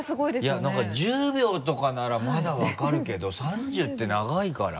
いや何か１０秒とかならまだ分かるけど３０って長いから。